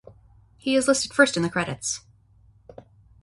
He is listed first in the credits.